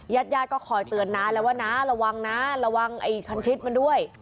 ญาติญาติก็คอยเตือนน้าแล้วว่าน้าระวังนะระวังไอ้คันชิดมันด้วย